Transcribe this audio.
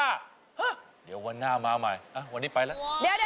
เดี๋ยวไปไหน